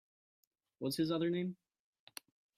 What’s his other name?